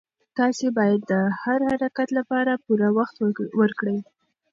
تاسي باید د هر حرکت لپاره پوره وخت ورکړئ.